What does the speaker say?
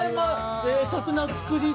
◆ぜいたくな造りで。